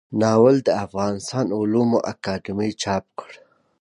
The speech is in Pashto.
ناول د افغانستان علومو اکاډمۍ چاپ کړ.